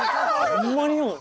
ほんまによん⁉